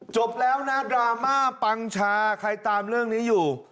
จบแล้วนะดราม่าปังชาใครตามเรื่องนี้อยู่